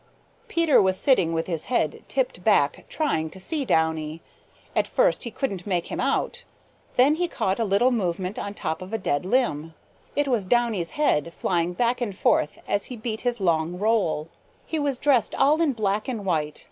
Peter was sitting with his head tipped back trying to see Downy. At first he couldn't make him out. Then he caught a little movement on top of a dead limb. It was Downy's head flying back and forth as he beat his long roll. He was dressed all in black and white.